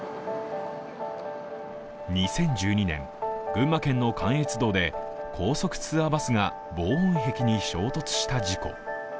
２０１２年、群馬県の関越道で高速ツアーバスが防音壁に衝突した事故。